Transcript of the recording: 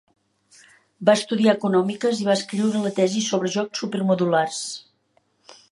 Va estudiar Econòmiques i va escriure la tesi sobre jocs supermodulars.